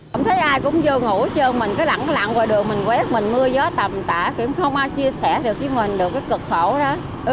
không thấy ai cũng vừa ngủ chơi mình cứ lặng lặng qua đường mình quét mình mưa gió tầm tả không ai chia sẻ được với mình được cái cực khẩu đó